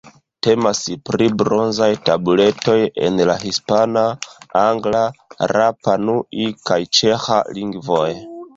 Temas pri bronzaj tabuletoj en la hispana, angla, rapa-nui kaj ĉeĥa lingvoj.